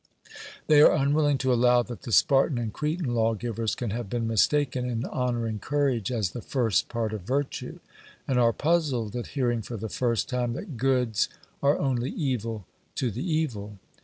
They are unwilling to allow that the Spartan and Cretan lawgivers can have been mistaken in honouring courage as the first part of virtue, and are puzzled at hearing for the first time that 'Goods are only evil to the evil.'